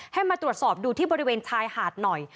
ให้มาตรวจสอบดูที่บริเวณชายหาดหน่อย